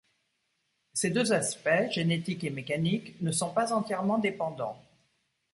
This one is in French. Ces deux aspects, génétiques et mécaniques, ne sont pas entièrement dépendants.